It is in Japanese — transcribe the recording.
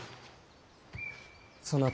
そなた